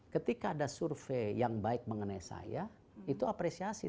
ketika ada survei yang baik mengenai saya itu apresiasi